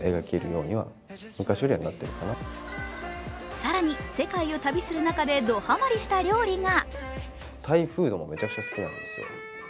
更に、世界を旅する中でドハマりした料理が。